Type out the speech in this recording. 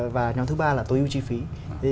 và nhóm thứ ba là tối ưu chi phí